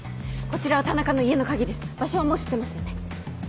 こちらは田中の家の鍵です場所はもう知ってますよね？